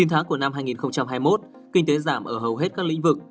chín tháng của năm hai nghìn hai mươi một kinh tế giảm ở hầu hết các lĩnh vực